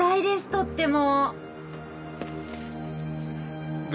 とっても。